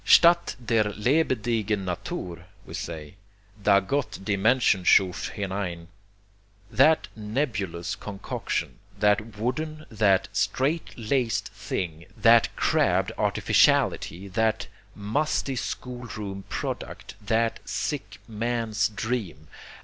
"Statt der lebendigen Natur," we say, "da Gott die Menschen schuf hinein" that nebulous concoction, that wooden, that straight laced thing, that crabbed artificiality, that musty schoolroom product, that sick man's dream!